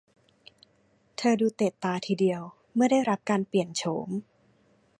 เธอดูเตะตาทีเดียวเมื่อได้รับการเปลี่ยนโฉม